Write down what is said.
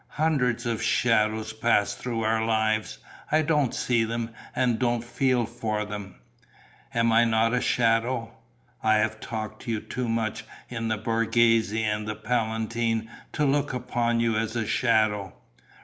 Hundreds of shadows pass through our lives: I don't see them and don't feel for them." "And am I not a shadow?" "I have talked to you too much in the Borghese and on the Palatine to look upon you as a shadow."